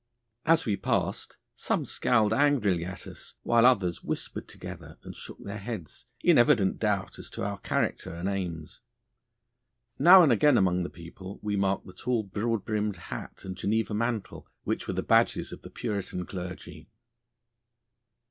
As we passed some scowled angrily at us, while others whispered together and shook their heads, in evident doubt as to our character and aims. Now and again among the people we marked the tall broad brimmed hat and Geneva mantle which were the badges of the Puritan clergy.